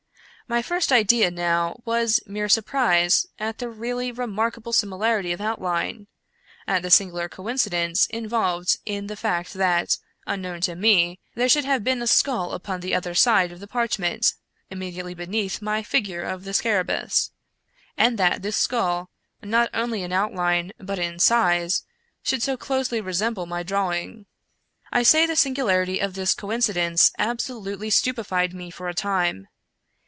My first idea, now, was mere surprise at the really remarkable similarity of outline — at the singular coincidence involved in the fact that, unknown to me, there should have been a skull upon the other side of the parchment, immediately beneath my figure of the scarabmis, and that this skull, not only in outline, but in size, should so closely resemble my drawing. I say the singularity of this coincidence absolutely stupefied me for a time.